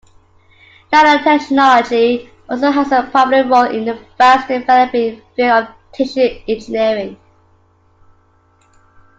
Nanotechnology also has a prominent role in the fast developing field of Tissue Engineering.